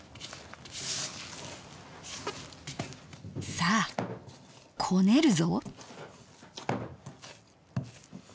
さあこねるぞ！